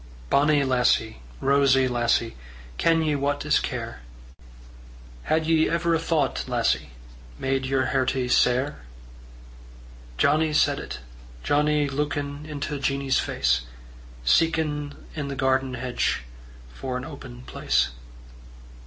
"Bonny lassie, rosy lassie, Ken ye what is care? Had ye ever a thought, lassie, Made yer hertie sair?" Johnnie said it, Johnnie luikin' Into Jeannie's face; Seekin' in the garden hedge For an open place.